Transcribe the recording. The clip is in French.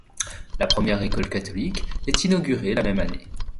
La première école catholique est inaugurée la même année.